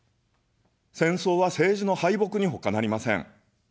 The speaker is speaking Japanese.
戦争は政治の敗北にほかなりません。